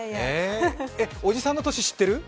おじさんの年知ってる？